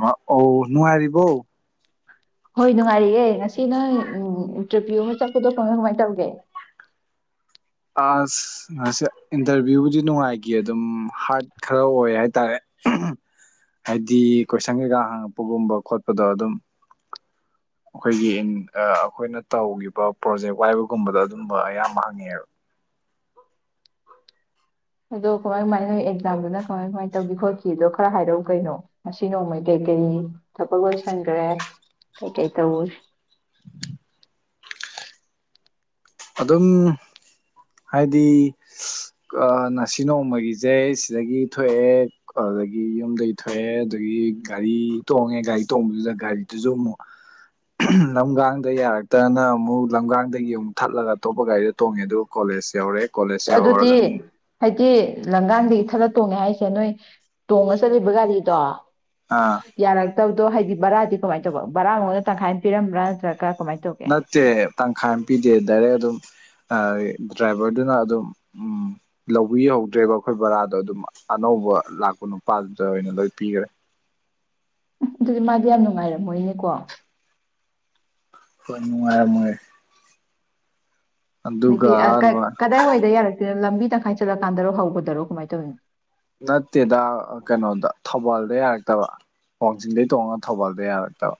ꯃꯥ ꯑꯣ ꯅꯨꯡꯉꯥꯏꯔꯤꯕꯣ ꯍꯣꯏ ꯅꯨꯡꯉꯥꯏꯔꯤꯑꯦ ꯉꯁꯤ ꯅꯪ ꯏꯟꯇꯔꯚꯤꯌꯨ ꯑꯃ ꯆꯠꯄꯗꯣ ꯀꯃꯥꯏ ꯀꯃꯥꯏꯅ ꯇꯧꯒꯦ ꯑꯁ ꯉꯁꯤ ꯏꯟꯇꯔꯚꯤꯌꯨꯕꯨꯗꯤ ꯅꯨꯡꯉꯥꯏꯈꯤ ꯑꯗꯨꯝ ꯍꯥꯔꯠ ꯈꯔ ꯑꯣꯏ ꯍꯥꯏ ꯇꯔꯦ ꯍꯥꯏꯗꯤ ꯀꯣꯏꯁꯟ ꯀꯩꯀꯥ ꯍꯪꯉꯛꯄꯒꯨꯝꯕ ꯈꯣꯠꯄꯗꯣ ꯑꯗꯨꯝ ꯑꯩꯈꯣꯏꯒꯤ ꯑꯩꯈꯣꯏꯅ ꯇꯧꯈꯤꯕ ꯄ꯭ꯔꯣꯖꯦꯛ ꯋꯥꯏꯕꯒꯨꯝꯕꯗ ꯑꯗꯨꯝꯕ ꯑꯌꯥꯝꯕ ꯍꯪꯉꯛꯑꯦꯦꯕ ꯑꯗꯣ ꯀꯃꯥꯏ ꯀꯃꯥꯏꯅ ꯑꯦꯛꯖꯥꯝꯗꯨꯅ ꯀꯃꯥꯏ ꯀꯃꯥꯏꯅ ꯇꯧꯈꯤ ꯈꯣꯠꯈꯤꯗꯣ ꯈꯔ ꯍꯥꯏꯔꯛꯎ ꯀꯩꯅꯣ ꯉꯁꯤ ꯅꯣꯡꯃꯩ ꯀꯩꯀꯔꯤ ꯊꯕꯛ ꯂꯣꯏꯁꯟꯈ꯭ꯔꯦ ꯀꯩꯀꯩ ꯇꯧꯋꯦ ꯑꯗꯨꯝ ꯍꯥꯏꯗꯤ ꯉꯁꯤ ꯅꯣꯡꯃꯒꯤꯁꯦ ꯁꯤꯗꯒꯤ ꯊꯣꯛꯑꯦ ꯑꯗꯨꯗꯒꯤ ꯌꯨꯝꯗꯒꯤ ꯊꯣꯛꯑꯦ ꯑꯗꯨꯗꯒꯤ ꯒꯥꯔꯤ ꯇꯣꯡꯉꯦ ꯒꯥꯔꯤ ꯇꯣꯡꯕꯗꯨꯗ ꯒꯥꯔꯤꯗꯨꯁꯨ ꯑꯃꯨꯛ ꯂꯝꯒꯥꯡꯗ ꯌꯥꯔꯛꯇꯅ ꯑꯃꯨꯛ ꯂꯝꯒꯥꯡꯗꯒꯤ ꯑꯃꯨꯛ ꯊꯠꯂꯒ ꯑꯇꯣꯞꯄ ꯒꯥꯔꯤꯗꯣ ꯇꯣꯡꯉꯦ ꯑꯗꯨꯒ ꯀꯣꯂꯦꯖ ꯌꯧꯔꯦ ꯀꯣꯂꯦꯖ ꯑꯗꯨꯗꯤ ꯌꯧꯔꯒ ꯍꯥꯏꯗꯤ ꯂꯪꯒꯥꯡꯗꯒꯤ ꯊꯠꯂ ꯇꯣꯡꯉꯦ ꯍꯥꯏꯁꯦ ꯅꯣꯏ ꯇꯣꯡꯉ ꯆꯠꯂꯤꯕ ꯒꯥꯔꯤꯗꯣ ꯑꯥ ꯌꯥꯔꯛ ꯇꯕꯗꯣ ꯍꯥꯏꯗꯤ ꯕꯔꯥꯗꯤ ꯀꯃꯥꯏꯅ ꯇꯧꯕ ꯕꯔꯥ ꯃꯉꯣꯟꯗ ꯇꯪꯈꯥꯏꯅ ꯄꯤꯔꯝꯕ꯭ꯔꯥ ꯅꯠꯇ꯭ꯔꯒ ꯀꯃꯥꯏꯅ ꯇꯧꯒꯦ ꯅꯠꯇꯦ ꯇꯪꯈꯥꯏ ꯑꯃ ꯄꯤꯗꯦ ꯗꯥꯏꯔꯦꯛ ꯑꯗꯨꯝ ꯗ꯭ꯔꯥꯏꯚꯔꯗꯨꯅ ꯑꯗꯨꯝ ꯎꯝ ꯂꯧꯕꯤꯍꯧꯗ꯭ꯔꯦꯀꯣ ꯑꯩꯈꯣꯏ ꯕꯣꯔꯥꯗꯣ ꯑꯗꯨꯝ ꯑꯅꯧꯕ ꯂꯥꯛꯄ ꯅꯨꯄꯥꯗꯨꯗ ꯑꯣꯏꯅ ꯂꯣꯏ ꯄꯤꯈꯔꯦ ꯑꯗꯨꯗꯤ ꯃꯥꯗꯤ ꯌꯥꯝ ꯅꯨꯡꯉꯥꯏꯔꯝꯃꯣꯏꯅꯦꯀꯣ ꯍꯣꯏꯅꯨꯡꯉꯥꯏ ꯃꯣꯏ ꯑꯗꯒꯤ ꯀꯗꯥꯏ ꯑꯣꯏꯗ ꯌꯥꯔꯛꯇꯦ ꯂꯝꯕꯤ ꯇꯪꯈꯥꯏ ꯆꯠꯂꯀꯥꯟꯗꯔꯣ ꯍꯧꯕꯗꯔꯣ ꯀꯃꯥꯏꯅ ꯇꯧꯔꯤꯅꯣ ꯅꯠꯇꯦꯗ ꯀꯩꯅꯣꯗ ꯊꯧꯕꯥꯜꯗ ꯌꯥꯔꯛꯇꯕ ꯋꯥꯡꯖꯤꯡꯗꯩ ꯇꯣꯡꯉꯒ ꯊꯧꯕꯥꯜꯗ ꯌꯥꯔꯛꯇꯕ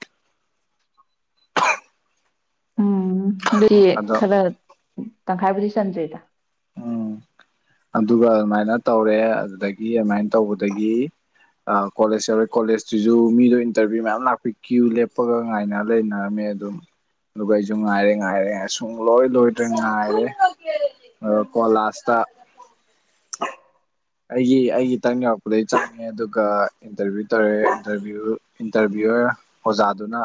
ꯑꯥ ꯑꯗꯣ ꯈꯔ ꯇꯪꯈꯥꯏꯕꯨꯗꯤ ꯆꯟꯗ꯭ꯔꯤꯗ ꯎꯝ ꯑꯗꯨꯒ ꯑꯗꯨꯃꯥꯏꯅ ꯇꯧꯔꯦ ꯑꯗꯨꯗꯒꯤ ꯑꯗꯨꯃꯥꯏꯅ ꯇꯧꯕꯗꯒꯤ ꯀꯣꯂꯦꯖ ꯌꯧꯔꯦ ꯀꯣꯂꯦꯖꯇꯨꯁꯨ ꯃꯤꯗꯣ ꯏꯟꯇꯔꯚꯤꯌꯨ ꯃꯌꯥꯝ ꯂꯥꯛꯄꯤ ꯀ꯭ꯌꯨ ꯂꯦꯞꯄꯒ ꯉꯥꯏꯅ ꯂꯩꯅꯔꯝꯃꯦ ꯑꯗꯨꯝ ꯑꯗꯨꯒ ꯑꯩꯁꯨ ꯉꯥꯏꯔꯦ ꯉꯥꯏꯔꯦ ꯁꯨꯡ ꯂꯣꯏ ꯂꯣꯏꯗ꯭ꯔꯦ ꯉꯥꯏꯔꯦ ꯑꯗꯣꯀꯣ ꯂꯥꯁꯇ ꯑꯩꯒꯤ ꯑꯩꯒꯤꯇꯪ ꯌꯧꯔꯛꯄꯗꯒꯤ ꯆꯪꯉꯦ ꯑꯗꯨꯒ ꯏꯟꯇꯔꯚꯤꯌꯨ ꯇꯧꯔꯛꯑꯦ ꯏꯟꯇꯔꯚꯤꯌꯨꯋꯔ ꯑꯣꯖꯥꯗꯨꯅ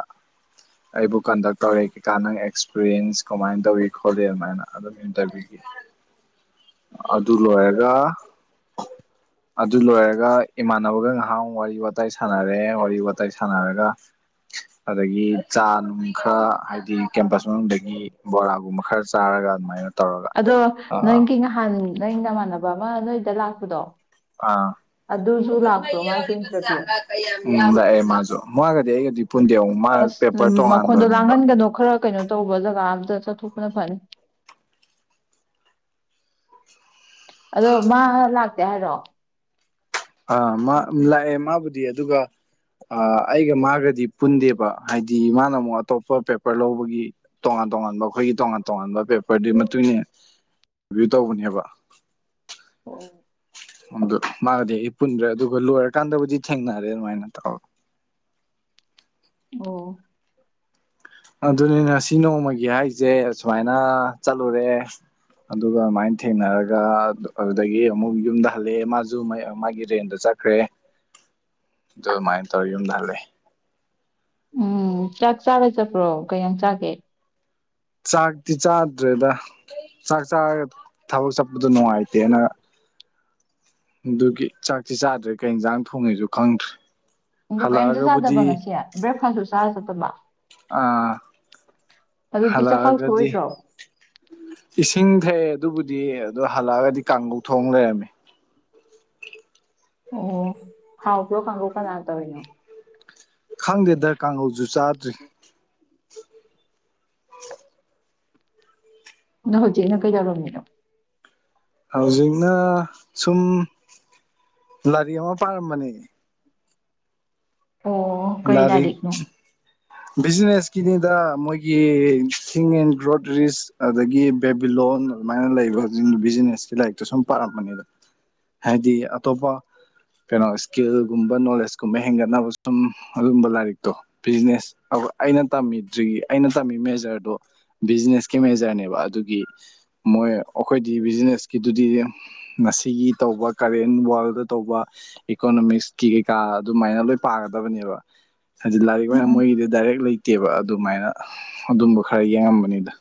ꯑꯩꯕꯨ ꯀꯟꯗꯛ ꯇꯧꯔꯦ ꯀꯩꯀꯥ ꯅꯪ ꯑꯦꯛꯁꯄꯔꯤꯌꯦꯟꯁ ꯀꯃꯥꯏꯅ ꯇꯧꯏꯤ ꯈꯣꯂꯤ ꯑꯗꯨꯃꯥꯏꯅ ꯑꯗꯨꯝ ꯏꯟꯇꯔꯚꯤꯌꯨꯒꯤ ꯑꯗꯨ ꯂꯣꯏꯔꯒ ꯑꯗꯨ ꯂꯣꯏꯔꯒ ꯏꯃꯥꯟꯅꯕꯒ ꯉꯥꯏꯍꯥꯛ ꯋꯥꯔꯤ ꯋꯥꯇꯥꯏ ꯁꯥꯟꯅꯔꯦ ꯋꯥꯔꯤ ꯋꯥꯇꯥꯏ ꯁꯥꯟꯅꯔꯒ ꯑꯗꯒꯤ ꯆꯥ ꯅꯨꯡ ꯈꯔ ꯍꯥꯏꯗꯤ ꯀꯦꯝꯄꯁ ꯃꯅꯨꯡꯗꯒꯤ ꯕꯣꯔꯥꯒꯨꯝꯕ ꯈꯔ ꯆꯥꯔꯒ ꯑꯗꯨꯃꯥꯏꯅ ꯇꯧꯔꯒ ꯑꯗꯣ ꯑꯥ ꯅꯪꯒꯤ ꯅꯍꯥꯟ ꯅꯪ ꯅꯃꯥꯟꯅꯕ ꯑꯃ ꯅꯣꯏꯗ ꯂꯥꯛꯄꯗꯣ ꯑ [unintelligible] ꯑꯗꯨꯁꯨ ꯂꯥꯛꯄ꯭ꯔꯣ ꯃꯥꯁꯨ ꯏꯟꯇꯔꯚꯤꯌꯨ ꯃꯥ ꯃꯖꯨ ꯂꯩ ꯍꯧꯖꯤꯛ ꯑꯁ ꯃꯈꯣꯟꯗꯣ ꯂꯥꯡꯍꯟꯒꯅꯣ ꯈꯔ ꯀꯩꯅꯣ ꯇꯧꯕ ꯖꯒꯥ ꯑꯝꯇ ꯆꯠꯊꯣꯛꯄꯅ ꯐꯅꯤ ꯑꯗꯣ ꯃꯥ ꯂꯥꯛ ꯇꯦ ꯍꯥꯏꯔꯣ꯫ ꯑ ꯃꯥ ꯂꯥꯛꯑꯦ ꯃꯥꯕꯨꯗꯤ ꯑꯗꯨꯒ ꯑꯩꯒ ꯃꯥꯒꯗꯤ ꯄꯨꯟꯗꯦꯕ ꯍꯥꯏ ꯗꯤ ꯃꯥꯅ ꯑꯃꯨꯛ ꯑꯇꯣꯞꯄ ꯄꯦꯄꯔ ꯂꯧꯕꯒꯤ ꯇꯣꯉꯥꯟ ꯇꯣꯉꯥꯟꯕ ꯑꯩꯈꯣꯏꯒꯤ ꯇꯣꯉꯥꯟ ꯇꯣꯉꯥꯟꯕ ꯄꯦꯄꯔꯗꯨ ꯃꯇꯨꯡ ꯏꯟꯅ ꯚ꯭ꯌꯨ ꯇꯧꯕꯅꯦꯕ ꯑꯣ ꯑꯗꯨ ꯃꯥꯒꯗꯤ ꯑꯩ ꯄꯨꯟꯗ꯭ꯔꯦ ꯑꯗꯨꯒ ꯂꯣꯏꯔꯀꯥꯟꯗꯕꯨꯗꯤ ꯊꯦꯡꯅꯔꯦ ꯑꯗꯨꯃꯥꯏꯅ ꯇꯧ ꯑꯣ ꯑꯗꯨꯅꯤ ꯉꯁꯤ ꯅꯣꯡꯃꯒꯤ ꯍꯥꯏꯁꯦ ꯑꯨꯃꯥꯏꯅ ꯆꯠꯂꯨꯔꯦ ꯑꯗꯨꯒ ꯑꯗꯨꯃꯥꯏꯅ ꯊꯦꯡꯅꯔꯒ ꯑꯗꯨꯗꯒꯤ ꯑꯃꯨꯛ ꯌꯨꯝꯗ ꯍꯜꯂꯛꯑꯦ ꯃꯥꯁꯨ ꯃꯥꯒꯤ ꯔꯦꯟꯗ ꯆꯠꯈ꯭ꯔꯦ ꯑꯗꯨ ꯑꯗꯨꯃꯥꯏꯅ ꯇꯧꯔꯦ ꯌꯨꯝꯗ ꯍꯜꯂꯛꯑꯦ ꯎꯝ ꯆꯥꯛ ꯆꯥꯕ ꯆꯠꯄ꯭ꯔꯣ ꯀꯌꯥ ꯆꯥꯒꯦ ꯆꯥꯛꯇꯤ ꯆꯥꯗ꯭ꯔꯦꯗ ꯆꯥꯛ ꯆꯥꯔꯒ ꯊꯕꯛ ꯆꯠꯄꯗꯣ ꯅꯨꯡꯉꯥꯏꯇꯦꯅ ꯑꯗꯨꯒꯤ ꯆꯥꯛꯇꯤ ꯆꯥꯗ꯭ꯔꯦ ꯀꯩ ꯌꯦꯟꯁꯥꯡ ꯊꯣꯡꯉꯦꯁꯨ ꯈꯪꯗ꯭ꯔꯦ ꯑꯗꯨ ꯀꯩꯝꯇ ꯆꯥꯗꯕ ꯍꯜꯂꯛꯑꯒꯕꯨꯗꯤ ꯉꯁꯤ ꯕ꯭ꯔꯦꯛꯐꯥꯁꯁꯨ ꯆ ꯑꯗꯨꯝꯕ ꯑꯥ ꯑꯗꯨꯗꯤ ꯆꯥꯛꯈꯥꯎ ꯍꯜꯂꯛꯑꯒꯗꯤ ꯁꯣꯛꯑꯣꯏꯗ꯭ꯔꯣ ꯏꯁꯤꯡ ꯇꯥꯛ ꯌꯦ ꯑꯗꯨꯕꯨꯗꯤ ꯑꯗꯣ ꯍꯜꯂꯛꯑꯒꯗꯤ ꯀꯥꯡꯒꯧ ꯊꯣꯡ ꯂꯩꯔꯝꯃꯦ ꯑꯣ ꯍꯥꯎ ꯎꯣ ꯈꯪꯒꯣꯛ ꯀꯥꯅꯅ ꯇꯧꯔꯤꯅꯣ ꯈꯪꯗꯦꯗ ꯀꯥꯡꯍꯧꯁꯨ ꯆꯥꯗ꯭ꯔꯤ [inaudible] ꯅꯪ ꯍꯧꯖꯤꯛꯅ ꯀꯩꯗꯧꯔꯝꯃꯤꯅꯣ ꯍꯧꯖꯤꯛꯅ ꯁꯨꯝ ꯂꯥꯏꯔꯤꯛ ꯑꯃ ꯄꯥꯔꯝꯕꯅꯦ ꯑꯣ ꯀꯔꯤ ꯂꯥꯏꯔꯤꯛ ꯂꯥꯏꯔꯤꯛꯅꯣ ꯕꯤꯖꯤꯅꯦꯁꯀꯤꯅꯤꯗ ꯃꯣꯏꯒꯤ ꯊꯤꯡ ꯑꯦꯟ ꯒ꯭ꯔꯣꯗꯔꯤꯁ ꯑꯗꯒꯤ ꯕꯦꯕꯤ ꯂꯂꯣꯟ ꯑꯗꯨꯃꯥꯏꯅ ꯑꯩꯒꯤ ꯂꯩꯕ ꯕꯤꯖꯤꯅꯦꯁꯀꯤ ꯂꯥꯏꯔꯤꯛꯇꯣ ꯁꯨꯝ ꯄꯥꯔꯝꯕꯅꯤꯗ ꯍꯥꯏꯗꯤ ꯑꯇꯣꯞꯄ ꯀꯩꯅꯣ ꯏꯁꯀꯤꯜꯒꯨꯝꯕ ꯅꯣꯂꯦꯖꯀꯨꯝꯕ ꯍꯦꯟꯒꯠꯅꯕ ꯁꯨꯝ ꯑꯗꯨꯒꯨꯝꯕ ꯂꯥꯏꯔꯤꯛꯇꯣ ꯕꯤꯖꯤꯅꯦꯁ ꯑꯩꯅ ꯇꯝꯃꯤꯗ꯭ꯔꯤꯒꯤ ꯑꯩꯅ ꯇꯝꯃꯤ ꯃꯦꯖꯔꯗꯨ ꯕꯤꯖꯤꯅꯦꯁ ꯀꯦꯃꯦꯖꯔꯅꯦꯕ ꯑꯗꯨꯒꯤ ꯃꯣꯏ ꯑꯩꯈꯣꯏꯗꯤ ꯕꯤꯖꯤꯅꯦꯁꯀꯤꯗꯨꯗꯤ ꯉꯁꯤꯒꯤ ꯇꯧꯕ ꯀꯔꯦꯟ ꯋꯥꯔꯜꯗ ꯇꯧꯕ ꯏꯀꯣꯅꯣꯃꯤꯛꯁꯀꯤ ꯀꯩꯀꯥ ꯑꯗꯨꯃꯥꯏꯅ ꯂꯣꯏ ꯄꯥꯒꯗꯕꯅꯦꯕ ꯍꯥꯏꯖꯤ ꯂꯥꯏꯔꯤꯛ ꯃꯌꯥꯝ ꯎꯝ ꯑꯣꯏꯔꯤꯦ ꯍꯥꯑꯣꯖꯤꯛ ꯂꯩꯇꯦꯕ ꯑꯗꯨꯃꯥꯏꯅ ꯑꯗꯨꯝꯕ ꯈꯔ ꯌꯦꯡꯉꯝꯕꯅꯤꯗ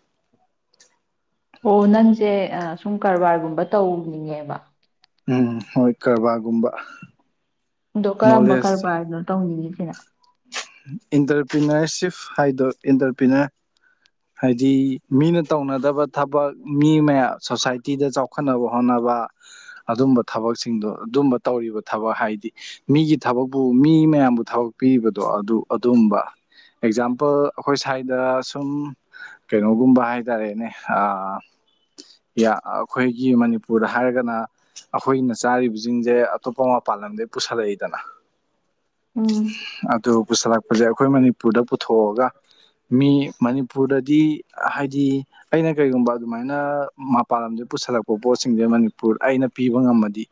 ꯑꯣ ꯅꯪꯁꯦ ꯁꯨꯝ ꯀꯔꯕꯥꯔꯒꯨꯝꯕ ꯇꯧꯅꯤꯡꯉꯦꯕ ꯎꯝ ꯍꯣꯏ ꯀꯔꯕꯥꯔꯒꯨꯝꯕ ꯑꯗꯣ ꯀꯔꯝꯕ ꯅꯣꯂꯦꯖ ꯀꯔꯕꯥꯔꯅꯣ ꯇꯧꯅꯤ ꯂꯤꯖꯤꯅꯥ ꯏꯟꯇꯔꯄ꯭ꯔꯤꯅꯔꯁꯤꯞ ꯍꯥꯏꯗꯣ ꯏꯟꯇꯔꯄ꯭ꯔꯤꯅꯔ ꯍꯥꯏꯗꯤ ꯃꯤꯅ ꯇꯧꯅꯗꯕ ꯊꯕꯛ ꯃꯤ ꯃꯌꯥꯝ ꯁꯣꯁꯥꯏꯇꯤꯗ ꯆꯥꯎꯈꯠꯅꯕ ꯍꯣꯠꯅꯕ ꯑꯗꯨꯝꯕ ꯊꯕꯛꯁꯤꯡꯗꯣ ꯑꯗꯨꯝꯕ ꯇꯧꯔꯤꯕ ꯊꯕꯛ ꯍꯥꯏꯗꯤ ꯃꯤꯒꯤ ꯊꯕꯛꯄꯨ ꯃꯤ ꯃꯌꯥꯝꯕꯨ ꯊꯕꯛ ꯄꯤꯕꯗꯣ ꯑꯗꯨ ꯑꯗꯨꯝꯕ ꯑꯦꯛꯖꯥꯝꯄꯜ ꯑꯩꯈꯣꯏ ꯁ꯭ꯋꯥꯏꯗ ꯁꯨꯝ ꯀꯩꯅꯣꯒꯨꯝꯕ ꯍꯥꯏꯇꯥꯔꯦꯅꯦ ꯑꯩꯈꯣꯏꯒꯤ ꯃꯅꯤꯄꯨꯔꯗ ꯍꯥꯏꯔꯒꯅ ꯑꯩꯈꯣꯏꯅ ꯆꯥꯔꯤꯕꯁꯤꯡꯁꯦ ꯑꯇꯣꯞꯄ ꯃꯄꯥꯟ ꯂꯝꯗꯒꯤꯩ ꯄꯨꯁꯜꯂꯛꯏꯗꯅ ꯎꯝ ꯑꯗꯨ ꯄꯨꯁꯜꯂꯛꯄꯁꯦ ꯑꯩꯈꯣꯏ ꯃꯅꯤꯄꯨꯔꯗ ꯄꯨꯊꯣꯛꯑꯒ ꯃꯤ ꯃꯅꯤꯄꯨꯔꯗꯗꯤ ꯍꯥꯏꯗꯤ ꯑꯩꯅ ꯀꯔꯤꯒꯨꯝꯕ ꯑꯗꯨꯃꯥꯏꯅ ꯃꯄꯥꯟ ꯂꯝꯗ ꯄꯨꯁꯜꯂꯛꯄ ꯄꯣꯠꯁꯤꯡꯁꯦ ꯃꯅꯤꯄꯨꯔ ꯑꯩꯅ ꯄꯤꯕ ꯉꯝꯃꯗꯤ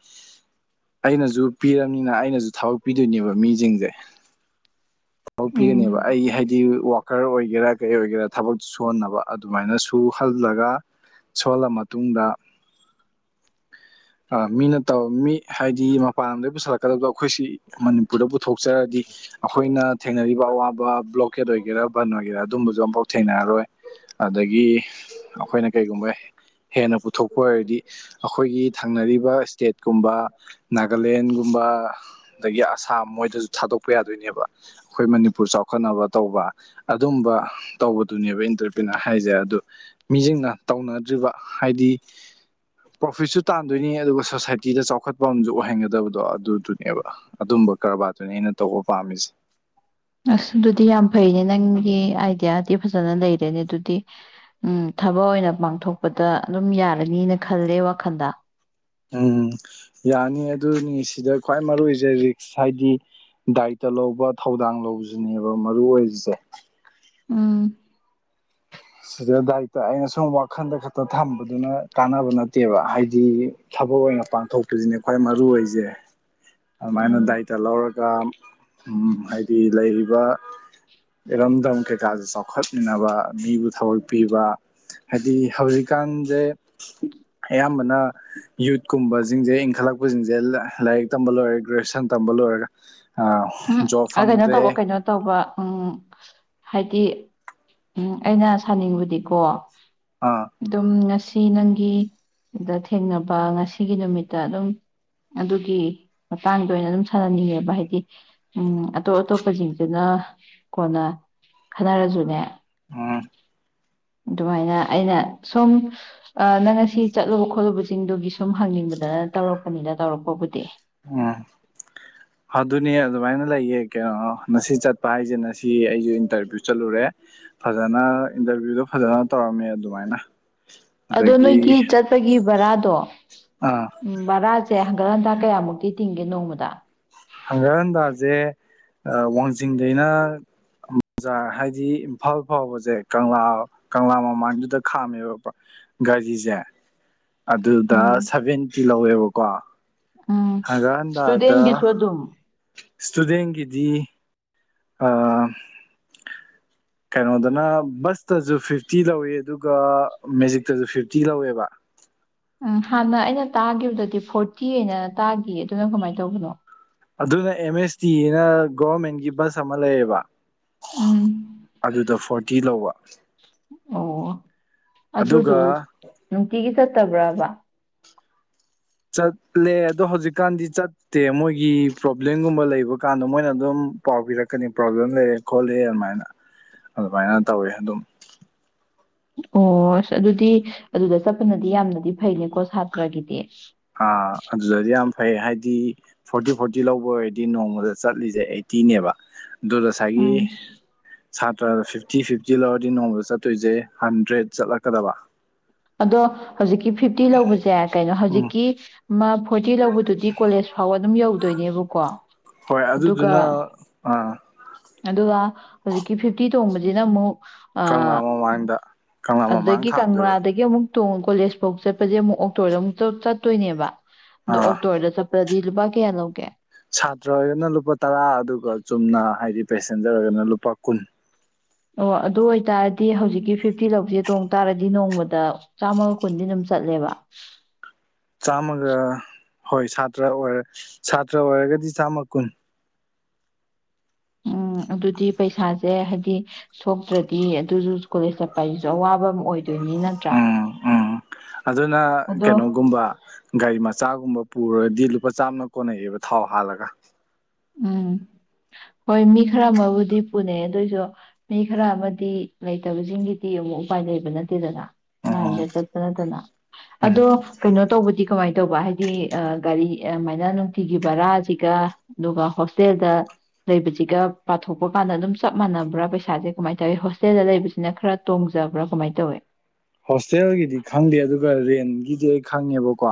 ꯑꯩꯅꯁꯨ ꯄꯤꯔꯕꯅꯤꯅ ꯑꯩꯅꯁꯨ ꯊꯕꯛ ꯄꯤꯗꯣꯏꯅꯦꯕ ꯃꯤꯁꯤꯡꯁꯦ ꯊꯄꯤꯔꯅꯦꯕ ꯎꯝ ꯑꯩ ꯍꯥꯏꯗꯤ ꯋꯥꯀꯔ ꯑꯣꯏꯒꯦꯔꯥ ꯀꯩ ꯑꯣꯏꯒꯦꯔ ꯊꯕꯛ ꯁꯨꯍꯟꯅꯕ ꯑꯗꯨꯃꯥꯏꯅ ꯁꯨꯍꯜꯂꯒ ꯁꯨꯍꯜꯂ ꯃꯇꯨꯡꯗ ꯃꯤꯅ ꯇꯧ ꯃꯤ ꯍꯥꯏꯗꯤ ꯃꯄꯥꯟ ꯂꯝꯗꯒꯤꯩ ꯄꯨꯁꯤꯜꯂꯛꯀꯗꯕꯗꯣ ꯑꯩꯈꯣꯏꯁꯤ ꯃꯅꯤꯄꯨꯔꯗ ꯄꯨꯊꯣꯛꯆꯔꯗꯤ ꯑꯩꯈꯣꯏꯅ ꯊꯦꯡꯅꯔꯤꯕ ꯑꯋꯥꯕ ꯕ꯭ꯂꯣꯀꯦꯠ ꯑꯣꯏꯒꯦꯔꯥ ꯕꯟ ꯑꯣꯏꯒꯦꯔꯥ ꯑꯗꯨꯝꯕꯁꯨ ꯑꯃꯝꯐꯥꯎ ꯊꯦꯡꯅꯔꯔꯣꯏ ꯑꯗꯒꯤ ꯑꯩꯈꯣꯏꯅ ꯀꯩꯒꯨꯝꯕ ꯍꯦꯟꯅ ꯄꯨꯊꯣꯛꯄ ꯑꯣꯏꯔꯗꯤ ꯑꯩꯈꯣꯏꯒꯤ ꯊꯪꯅꯔꯤꯕ ꯏꯁꯇꯦꯠꯀꯨꯝꯕ ꯅꯥꯒꯥꯂꯦꯟꯒꯨꯝꯕ ꯑꯗꯒꯤ ꯑꯁꯥꯝ ꯃꯣꯏꯗꯁꯨ ꯊꯥꯗꯣꯛꯄ ꯌꯥꯗꯣꯏꯅꯦꯕ ꯑꯩꯈꯣꯏ ꯃꯅꯤꯄꯨꯔ ꯆꯥꯎ ꯆꯥꯎꯈꯣꯠꯅꯕ ꯇꯧꯕ ꯑꯗꯨꯝꯕ ꯇꯧꯕꯗꯨꯅꯦꯕ ꯏꯟꯇꯔꯄ꯭ꯔꯤꯅꯔ ꯍꯥꯏꯁꯦ ꯑꯗꯨ ꯃꯤꯁꯤꯡꯅ ꯇꯧꯅꯗ꯭ꯔꯤꯕ ꯍꯥꯏꯗꯤ ꯄ꯭ꯔꯣꯐꯤꯠꯁꯨ ꯇꯥꯟꯗꯣꯏꯅꯤ ꯑꯗꯨꯒ ꯁꯣꯁꯥꯏꯇꯤꯗ ꯆꯥꯎꯈꯠ ꯃꯐꯝꯁꯨ ꯑꯣꯏꯍꯟꯒꯗꯕꯗꯣ ꯑꯗꯨꯗꯨꯅꯦꯕ ꯑꯗꯨꯝꯕ ꯀꯔꯕꯥꯔꯗꯨꯅꯦ ꯑꯩꯅ ꯇꯧꯕ ꯄꯥꯝꯃꯤꯁꯦ ꯑꯁ ꯑꯗꯨꯗꯤ ꯌꯥꯝ ꯐꯩꯅꯦ ꯅꯪꯒꯤ ꯑꯥꯏꯗꯤꯌꯥꯗꯤ ꯐꯖꯅ ꯂꯩꯔꯦꯅꯦ ꯑꯗꯨꯗꯤ ꯊꯕꯛ ꯑꯣꯏꯅ ꯄꯥꯡꯊꯣꯛꯄꯗ ꯑꯗꯨꯝ ꯌꯥꯔꯅꯤꯅ ꯈꯜꯂꯦ ꯋꯥꯈꯜꯗ ꯎꯝ ꯌꯥꯅꯤ ꯑꯗꯨꯅꯤ ꯁꯤꯗ ꯈ꯭ꯋꯥꯏ ꯃꯔꯨ ꯑꯣꯏꯁꯦ ꯔꯤꯛꯁ ꯍꯥꯏꯗꯤ ꯗꯥꯏꯇ ꯂꯧꯕ ꯊꯧꯗꯥꯡ ꯂꯁꯤꯅꯦꯕ ꯃꯔꯨ ꯑꯣꯏꯔꯤꯁꯦ ꯎꯝ ꯁꯤꯗ ꯗꯥꯏꯇ ꯑꯩꯅ ꯁꯨꯝ ꯋꯥꯈꯜꯗ ꯈꯛꯇ ꯊꯝꯕꯗꯨꯅ ꯀꯥꯟꯅꯕ ꯅꯠꯇꯦꯕ ꯍꯥꯏꯗꯤ ꯊꯕꯛ ꯑꯣꯏꯅ ꯄꯥꯡꯊꯣꯛꯄꯁꯤꯅꯦ ꯈ꯭ꯋꯥꯏ ꯃꯔꯨ ꯑꯣꯏꯁꯦ ꯑꯗꯨꯃꯥꯏꯅ ꯎꯝ ꯗꯥꯏꯇ ꯂꯧꯔꯒ ꯍꯥꯏꯗꯤ ꯂꯩꯔꯤꯕ ꯏꯔꯝꯗꯝ ꯀꯩꯀꯥꯁꯦ ꯆꯥꯎꯈꯠꯃꯤꯟꯅꯕ ꯃꯤꯕꯨ ꯊꯒꯛꯄꯤꯕ ꯍꯥꯏꯗꯤ ꯍꯧꯖꯤꯛꯀꯥꯟꯁꯦ ꯑꯌꯥꯝꯕꯅ ꯌꯨꯠꯀꯨꯝꯕꯁꯤꯡꯁꯦ ꯏꯟꯈꯠꯂꯛꯄꯁꯤꯡꯁꯦ ꯂꯥꯏꯔꯤꯛ ꯇꯝꯕ ꯂꯣꯏꯔꯦ ꯒ꯭ꯔꯦꯖꯨꯌꯦꯁꯟ ꯇꯝꯕ ꯂꯣꯏꯔꯒ ꯎꯝ ꯖꯣꯕ ꯀꯩꯅꯣ ꯐꯪꯗ꯭ꯔꯦ ꯇꯧꯕ ꯀꯩꯅꯣ ꯇꯧꯕ ꯎꯝ ꯍꯥꯏꯗꯤ ꯎꯝ ꯑꯩꯅ ꯁꯥꯅꯤꯡꯕꯗꯤꯀꯣ ꯑꯥ ꯑꯗꯨꯝ ꯁꯤ ꯅꯪꯒꯤꯗ ꯊꯦꯡꯅꯕ ꯉꯁꯤꯒꯤ ꯅꯨꯃꯤꯠꯇ ꯑꯗꯨꯝ ꯑꯗꯨꯒꯤ ꯃꯇꯥꯡꯗ ꯑꯣꯏꯅ ꯑꯗꯨꯝ ꯁꯥꯟꯅꯅꯤꯡꯉꯦꯕ ꯍꯥꯏꯗꯤ ꯎꯝ ꯑꯇꯣꯞ ꯑꯇꯣꯞꯄꯁꯤꯡꯁꯤꯅ ꯀꯣꯟꯅ ꯈꯟꯅꯔꯁꯨꯅꯦ ꯑꯝ ꯑꯗꯨꯃꯥꯏꯅ ꯑꯩꯅ ꯁꯨꯝ ꯅꯪ ꯉꯁꯤ ꯆꯠꯂꯨꯕ ꯈꯣꯠꯂꯨꯕꯁꯤꯡꯗꯨꯒꯤ ꯁꯨꯝ ꯍꯪꯅꯤꯡꯕꯗꯅ ꯇꯧꯔꯛꯄꯅꯤꯅ ꯇꯧꯔꯛꯄꯕꯨꯗꯤ ꯎꯝ ꯑꯗꯨꯅꯤ ꯑꯗꯨꯃꯥꯏꯅ ꯂꯩꯌꯦ ꯀꯩꯅꯣ ꯉꯁꯤ ꯆꯠꯄ ꯍꯥꯏꯁꯦ ꯅꯁꯤ ꯑꯩꯁꯨ ꯏꯟꯇꯔꯚꯤꯌꯨ ꯆꯠꯂꯨꯔꯦ ꯐꯖꯅ ꯏꯟꯇꯔꯚꯤꯌꯨꯗꯣ ꯐꯖꯅ ꯇꯧꯔꯝꯃꯦ ꯑꯗꯨꯃꯥꯏꯅ ꯑꯗꯣ ꯑꯗꯒꯤ ꯅꯣꯏꯒꯤ ꯆꯠꯄꯒꯤ ꯕꯔꯥꯗꯣ ꯑꯥ ꯎꯝ ꯕꯔꯥ ꯁꯦ ꯍꯪꯒꯠ ꯍꯟꯗꯥ ꯀꯌꯥꯃꯨꯛꯇꯤ ꯇꯤꯡꯒꯦ ꯅꯣꯡꯃꯗ ꯍꯪꯒꯠ ꯍꯟꯗꯥꯁꯦ ꯋꯥꯡꯖꯤꯡꯗꯩꯅ ꯕꯖꯥꯔ ꯍꯥꯏꯗꯤ ꯏꯝꯐꯥꯜ ꯐꯥꯎꯕꯁꯦ ꯀꯪꯂꯥ ꯀꯪꯂꯥ ꯃꯃꯥꯡꯗꯨꯗ ꯈꯥꯝꯃꯦꯕ ꯒꯥꯔꯤꯁꯦ ꯑꯗꯨꯗ ꯎꯝ ꯁꯚꯦꯟꯇꯤ ꯂꯧꯋꯦꯕꯣ ꯀꯣ ꯎꯝ ꯏꯁꯇꯨꯗꯦꯟꯒꯤꯁꯨ ꯑꯗꯨꯝ ꯁ꯭ꯇꯨꯗꯦꯟꯒꯤꯗꯤ ꯑꯥ ꯀꯩꯅꯣꯗꯅ ꯕꯁꯇꯁꯨ ꯐꯤꯐꯇꯤ ꯂꯧꯋ ꯑꯗꯨꯒ ꯃꯦꯖꯤꯛꯇꯁꯨ ꯐꯤꯐꯇꯤ ꯂꯧꯋꯦꯕ ꯎꯝ ꯍꯥꯟꯅ ꯑꯩꯅ ꯇꯥꯈꯤꯕꯗꯗꯤ ꯐꯣꯔꯇꯤ ꯑꯅ ꯇꯥꯈꯤ ꯑꯗꯨꯅ ꯀꯃꯥꯏꯅ ꯇꯧꯕꯅꯣ ꯑꯗꯨꯅ ꯑꯦꯝ ꯑꯦꯁ ꯇꯤ ꯑꯅ ꯒꯣꯔꯃꯦꯟꯒꯤ ꯕꯁ ꯑꯃ ꯂꯩꯌꯦꯕ ꯎꯝ ꯑꯗꯨꯗ ꯐꯣꯔꯇꯤ ꯤ ꯂꯧꯕ ꯑꯣ ꯑꯗꯨꯒ ꯑꯗꯨꯗꯨ ꯅꯨꯡꯇꯤꯒꯤ ꯆꯠꯇꯕ꯭ꯔꯕ ꯆꯠꯂꯦ ꯑꯗꯣ ꯍꯧꯖꯤꯛꯀꯥꯟꯗꯤ ꯆꯠꯇꯦ ꯃꯣꯏꯒꯤ ꯄ꯭ꯔꯣꯕ꯭ꯂꯦꯝꯒꯨꯝꯕ ꯂꯩꯕ ꯀꯥꯟꯗ ꯃꯣꯏꯅ ꯑꯗꯨꯝ ꯄꯥꯎ ꯄꯤꯔꯛꯀꯅꯤ ꯄ꯭ꯔꯣꯕ꯭ꯂꯦꯝ ꯂꯩꯔꯦ ꯈꯣꯠꯂꯦ ꯑꯗꯨꯃꯥꯏꯅ ꯑꯗꯨꯃꯥꯏꯅ ꯇꯧꯋꯦ ꯑꯗꯨꯝ ꯑꯣ ꯑꯁ ꯑꯗꯨꯗꯤ ꯑꯗꯨꯗ ꯆꯠꯄꯅꯗꯤ ꯌꯥꯝꯅꯗꯤ ꯐꯩꯅꯦꯀꯣ ꯁꯥꯇ꯭ꯔꯒꯤꯗꯤ ꯑ ꯑꯗꯨꯗꯤ ꯌꯥꯝ ꯐꯩ ꯍꯥꯏꯗꯤ ꯐꯣꯔꯇꯤ ꯐꯣꯔꯇꯤ ꯂꯧꯕ ꯑꯣꯏꯔꯗꯤ ꯅꯣꯡꯃꯗ ꯆꯠꯂꯤꯁꯦ ꯑꯩꯠꯇꯤꯅꯦꯕ ꯗꯨꯗ ꯑꯁꯥꯏꯒꯤ ꯎꯝ ꯁꯥꯇ꯭ꯔꯗ ꯐꯤꯐꯇꯤ ꯐꯤꯐꯇꯤ ꯂꯧꯔꯗꯤ ꯅꯣꯡꯃꯗ ꯆꯠꯇꯣꯏꯁꯦ ꯍꯟꯗ꯭ꯔꯦꯗ ꯆꯠꯂꯛꯀꯗꯕ ꯑꯗꯣ ꯍꯧꯖꯤꯛꯀꯤ ꯐꯤꯐꯇꯤ ꯂꯧꯕꯁꯦ ꯀꯩꯅꯣ ꯎꯝ ꯍꯧꯖꯤꯛꯀꯤ ꯃꯥ ꯐꯣꯔꯇꯤ ꯂꯧꯕꯗꯨꯗꯤ ꯀꯣꯂꯦꯖ ꯐꯥꯎꯕ ꯑꯗꯨꯝ ꯌꯧꯗꯣꯏꯅꯦꯕꯀꯣ ꯍꯣꯏ ꯑꯗꯨꯒ ꯑꯗꯨꯗꯨꯅ ꯑꯥ ꯑꯗꯨꯒ ꯍꯧꯖꯤꯛꯀꯤ ꯐꯤꯐꯇꯤ ꯇꯣꯡꯕꯁꯤꯅ ꯑꯃꯨꯛ ꯑ ꯀꯪꯂꯥ ꯃꯃꯥꯡꯗ ꯀꯪꯂꯥ ꯃꯃꯥꯡ ꯑꯗꯨꯗꯒꯤ ꯀꯪꯂꯥ ꯈꯥꯝꯗꯣꯏꯕ ꯑꯗꯒꯤ ꯑꯃꯨꯛ ꯇꯣꯡ ꯀꯣꯂꯦꯖ ꯐꯥꯎ ꯆꯠꯄꯁꯦ ꯑꯃꯨꯛ ꯑꯣꯛꯇꯣꯗ ꯑꯃꯨꯛ ꯆꯠꯇꯣꯏꯅꯦꯕ ꯑꯥ ꯑꯣꯛꯇꯣꯗ ꯄꯗꯗꯤ ꯂꯨꯄꯥ ꯀꯌꯥ ꯂꯧꯒꯦ ꯁꯥꯇ꯭ꯔ ꯑꯣꯏꯔꯒꯅ ꯂꯨꯄꯥ ꯇꯔꯥ ꯑꯗꯨꯒ ꯆꯨꯝꯅ ꯍꯥꯏꯗꯤ ꯄꯦꯁꯦꯟꯖꯔ ꯑꯣꯏꯔꯒꯅ ꯂꯨꯄꯥ ꯀꯨꯟ ꯑꯣ ꯑꯗꯨ ꯑꯣꯏꯇꯥꯔꯗꯤ ꯍꯧꯖꯤꯛꯀꯤ ꯐꯤꯐꯇꯤ ꯂꯧꯁꯦ ꯇꯣꯡ ꯇꯥꯔꯗꯤ ꯅꯣꯡꯃꯗ ꯆꯥꯝꯃꯒ ꯀꯨꯟꯗꯤ ꯑꯗꯨꯝ ꯆꯠꯂꯦꯕ ꯆꯃꯒ ꯍꯣꯏ ꯁꯥꯇ꯭ꯔ ꯑꯣꯏꯔ ꯁꯥꯇ꯭ꯔ ꯑꯣꯏꯔꯒꯗꯤ ꯆꯥꯝꯃ ꯀꯨꯟ ꯎꯝ ꯑꯗꯨꯗꯤ ꯄꯩꯁꯥꯁꯦ ꯍꯥꯏꯗꯤ ꯁꯣꯛꯇ꯭ꯔꯗꯤ ꯑꯗꯨꯁꯨ ꯀꯣꯂꯦꯖ ꯆꯠꯄ ꯍꯥꯏꯁꯨ ꯑꯋꯥꯕ ꯑꯃ ꯑꯣꯏ ꯎꯝ ꯎꯝ ꯑꯗꯨꯅ ꯑꯗꯣ ꯀꯩꯅꯣꯒꯨꯝꯕ ꯒꯥꯔꯤ ꯃꯆꯥꯒꯨꯝꯕ ꯄꯨꯔꯗꯤ ꯂꯨꯄꯥ ꯆꯥꯝꯅ ꯀꯣꯟꯅꯩꯑꯕ ꯊꯥꯎ ꯍꯥꯜꯂꯒ ꯎꯝ ꯍꯣꯏ ꯃꯤ ꯈꯔ ꯑꯃꯕꯨꯗꯤ ꯄꯨꯅꯩ ꯑꯗꯨꯏꯁꯨ ꯃꯤ ꯈꯔ ꯑꯃꯗꯤ ꯂꯩꯇꯕꯁꯤꯡꯒꯤꯗꯤ ꯑꯃꯨꯛ ꯎꯄꯥꯏ ꯂꯩꯕ ꯅꯠꯇꯦꯗꯅ ꯂꯥꯏꯟꯗ ꯎꯝ ꯆꯠꯠꯇꯅꯗꯅ ꯎꯝ ꯑꯗꯣ ꯀꯩꯅꯣ ꯇꯧꯕꯗꯤ ꯀꯃꯥꯏꯅ ꯇꯧꯕ ꯍꯥꯏꯗꯤ ꯒꯥꯔꯤ ꯑꯗꯨꯃꯥꯏꯅ ꯅꯨꯡꯇꯤꯒꯤ ꯕꯔꯥꯁꯤꯒ ꯑꯗꯨꯒ ꯍꯣꯁꯇꯦꯜꯗ ꯂꯩꯕꯁꯤꯒ ꯄꯥꯊꯣꯛꯄ ꯀꯥꯟꯗ ꯑꯗꯨꯝ ꯆꯞ ꯃꯥꯟꯅꯕ꯭ꯔꯥ ꯄꯩꯁꯥꯁꯦ ꯀꯃꯥꯏꯅ ꯇꯧꯋꯤ ꯍꯣꯁꯇꯦꯜꯗ ꯂꯩꯕꯁꯤꯅ ꯈꯔ ꯇꯣꯡꯖꯕ꯭ꯔꯥ ꯀꯃꯥꯏꯅ ꯇꯧꯏ ꯍꯣꯁꯇꯦꯜꯒꯤꯗꯤ ꯈꯪꯗꯦ ꯑꯗꯨꯒ ꯔꯦꯟꯒꯤ ꯗꯤ ꯑꯩ ꯈꯪꯉꯦꯕꯀꯣ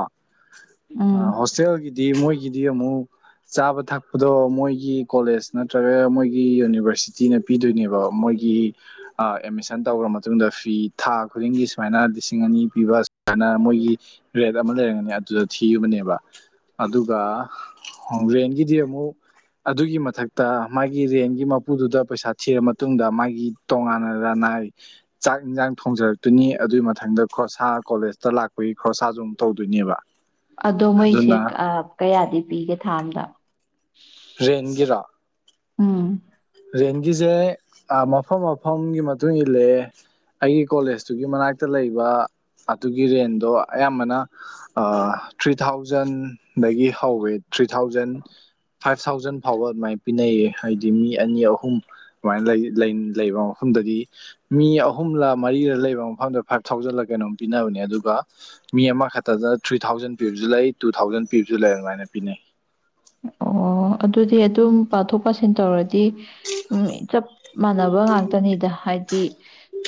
ꯎꯝ ꯍꯣꯁꯇꯦꯜꯒꯤꯗꯤ ꯃꯣꯏꯒꯤ ꯒꯤꯗꯤ ꯑꯃꯨꯛ ꯆꯥꯕ ꯊꯛꯄꯗꯣ ꯃꯣꯏꯒꯤ ꯀꯣꯂꯦꯖ ꯅꯠꯇ꯭ꯔꯒ ꯃꯣꯏꯒꯤ ꯌꯨꯅꯤꯚꯔꯁꯤꯇꯤꯅ ꯄꯤꯗꯣꯏꯅꯦꯕ ꯃꯣꯏꯒꯤ ꯑꯦꯠꯃꯤꯁꯟ ꯇꯧꯈ꯭ꯔ ꯃꯇꯨꯡꯗ ꯐꯤ ꯊꯥꯛ ꯈꯨꯗꯤꯡꯒꯤ ꯁꯨꯃꯥꯏꯅ ꯂꯤꯁꯤꯡ ꯑꯅꯤ ꯄꯤꯕ ꯁꯨꯃꯥꯏꯅ ꯃꯣꯏꯒꯤ ꯔꯦꯠ ꯑꯃ ꯂꯩꯔꯝꯒꯅꯤ ꯑꯗꯨꯗ ꯊꯤꯕꯅꯦꯕ ꯑꯗꯨꯒ ꯔꯦꯟꯒꯤꯗꯤ ꯑꯃꯨꯛ ꯑꯗꯨꯒꯤ ꯃꯊꯛꯇ ꯃꯥꯒꯤ ꯔꯦꯟꯒꯤ ꯃꯄꯨꯗꯨꯗ ꯄꯩꯁꯥ ꯊꯤꯔ ꯃꯇꯨꯡꯗ ꯃꯥꯒꯤ ꯇꯣꯉꯥꯟꯅꯗꯅꯥ ꯆꯥꯛ ꯏꯟꯖꯥꯡ ꯊꯣꯡꯖꯔꯛ ꯑꯗꯨꯨꯅꯤ ꯑꯗꯨꯒꯤ ꯃꯊꯪꯗ ꯁꯥ ꯀꯣꯂꯦꯖ ꯇ ꯂꯥꯛꯄꯒꯤ ꯈꯣꯔꯁꯥꯁꯨ ꯑꯃꯝ ꯇꯧꯗꯣꯏꯅꯦꯕ ꯑꯗꯣ ꯑꯗꯨꯅ ꯊꯥꯝꯗ ꯔꯦꯟꯒꯤꯔꯥ ꯎꯝ ꯔꯦꯟꯒꯤꯁꯦ ꯃꯐꯝ ꯃꯐꯝꯒꯤ ꯃꯇꯨꯡ ꯏꯜꯂꯦ ꯑꯩꯒꯤ ꯀꯣꯂꯦꯖꯇꯨꯒꯤ ꯃꯅꯥꯛꯇ ꯂꯩꯕ ꯑꯗꯨꯒꯤ ꯔꯦꯟꯗꯣ ꯑꯌꯥꯝꯕꯅ ꯊ꯭ꯔꯤ ꯊꯥꯎꯖꯟꯗꯒꯤ ꯍꯧꯋꯦ ꯊ꯭ꯔꯤ ꯊꯥꯎꯖꯟ ꯐꯥꯏꯚ ꯊꯥꯎꯖꯟ ꯐꯥꯎꯕ ꯑꯗꯨꯃꯥꯏꯅ ꯄꯤꯅꯩꯌꯦ ꯍꯥꯏꯗꯤ ꯃꯤ ꯑꯅꯤ ꯑꯍꯨꯝ ꯑꯗꯨꯃꯥꯏꯅ ꯂꯩꯕ ꯃꯐꯝꯗꯗꯤ ꯃꯤ ꯑꯍꯨꯝꯂ ꯃꯔꯤꯔ ꯂꯩꯕ ꯃꯐꯝꯗ ꯐꯥꯏꯚ ꯊꯥꯎꯖꯟꯂ ꯀꯩꯅꯣꯝ ꯄꯤꯅꯕꯅꯦ ꯑꯗꯨꯒ ꯃꯤ ꯑꯃꯈꯛꯇꯗ ꯊ꯭ꯔꯤ ꯊꯥꯎꯖꯟ ꯄꯤꯕꯁꯨ ꯂꯩ ꯇꯨ ꯊꯥꯎꯖꯟ ꯄꯤꯕꯁꯨ ꯂꯩ ꯑꯗꯨꯃꯥꯏꯅ ꯄꯤꯅꯩ ꯑꯣ ꯑꯗꯨꯗꯤ ꯑꯗꯨꯝ ꯄꯥꯊꯣꯛ ꯄꯥꯁꯤꯟ ꯇꯧꯔꯗꯤ ꯍꯥꯏꯗꯤ ꯎꯝ ꯆꯞ ꯃꯥꯟꯅꯕ ꯉꯥꯛꯇꯅꯤꯗ ꯍꯥꯏꯗꯤ ꯍꯥꯏꯗꯤ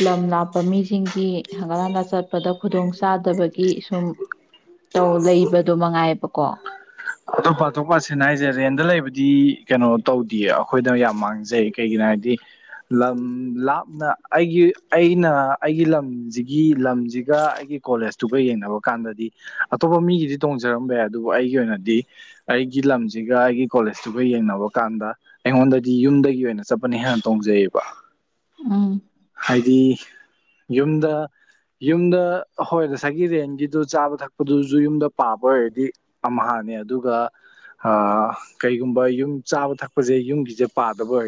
ꯂꯝ ꯂꯥꯞꯄ ꯃꯤꯁꯤꯡꯒꯤ ꯍꯪꯒꯜ ꯍꯥꯟꯂ ꯆꯠꯄꯗ ꯈꯨꯗꯣꯡ ꯆꯥꯗꯕꯒꯤ ꯁꯨꯝꯧ ꯂꯩꯕꯗꯣ ꯃꯉꯥꯏꯑꯕꯀꯣ ꯑꯇꯣꯞꯄ ꯑꯇꯣꯞꯄ ꯑꯁꯤꯅ ꯍꯥꯏꯁꯦ ꯔꯦꯟꯗ ꯂꯩꯕꯗꯤ ꯀꯩꯅꯣ ꯇꯧꯗꯦ ꯑꯩꯈꯣꯏꯅ ꯌꯥꯝ ꯃꯥꯡꯖꯩ ꯀꯩꯒꯤꯅꯣ ꯍꯥꯏꯗꯤ ꯂꯝ ꯂꯥꯞꯅ ꯑꯩꯒꯤ ꯑꯩꯅ ꯑꯩꯒꯤ ꯂꯝꯁꯤꯒꯤ ꯂꯝꯁꯤꯒ ꯑꯩꯒꯤ ꯀꯣꯂꯦꯖꯇꯨꯒ ꯌꯦꯡꯅꯕ ꯀꯥꯟꯗꯗꯤ ꯑꯇꯣꯞꯄ ꯃꯤꯒꯤꯗꯤ ꯇꯣꯡꯖꯔꯝꯕ ꯌꯥꯏ ꯑꯗꯨꯕꯨ ꯑꯩꯒꯤ ꯑꯣꯏꯅꯗꯤ ꯑꯩꯒꯤ ꯂꯝꯁꯤꯒ ꯑꯩꯒꯤ ꯀꯣꯂꯦꯖꯇꯨꯒ ꯌꯦꯡꯅꯕ ꯀꯥꯟꯗ ꯑꯩꯉꯣꯟꯗꯗꯤ ꯌꯨꯝꯗꯒꯤ ꯑꯣꯏꯅ ꯆꯠꯄꯅꯤ ꯍꯦꯟꯅ ꯇꯣꯡꯖꯩꯌꯦꯕ ꯎꯝ ꯍꯥꯏꯗꯤ ꯌꯨꯝꯗ ꯌꯨꯝꯗ ꯍꯣꯏ ꯉꯁꯥꯏꯒꯤ ꯔꯦꯟꯒꯤꯗꯨ ꯆꯥꯕ ꯊꯛꯄꯗꯨꯁꯨ ꯌꯨꯝꯗ ꯄꯥꯕ ꯑꯣꯏꯔꯗꯤ ꯑꯃ ꯍꯅꯦ ꯑꯗꯨꯒ ꯀꯩꯒꯨꯝꯕ ꯌꯨꯝ ꯆꯥꯕ ꯊꯛꯄꯁꯦ ꯌꯨꯝꯒꯤꯁꯦ ꯄꯥꯗꯕ ꯑꯣꯏ